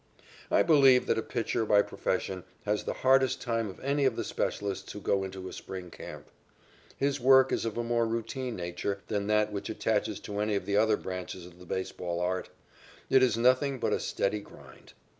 I believe that a pitcher by profession has the hardest time of any of the specialists who go into a spring camp. His work is of a more routine nature than that which attaches to any of the other branches of the baseball art. It is nothing but a steady grind.